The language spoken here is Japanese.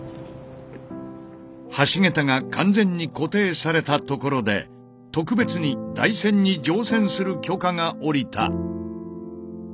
橋桁が完全に固定されたところで特別に台船に乗船する許可が下りた。